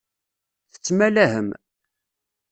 Tettmalahem.